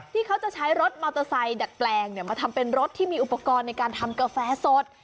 ที่เขาจะใช้รถมอเตอร์ไซค์ดัดแปลงมาทำเป็นรถที่มีอุปกรณ์ในการทำกาแฟสด